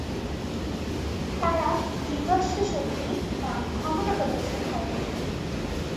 তারা নিজস্ব শক্তি বা ক্ষমতা প্রদর্শন করেন।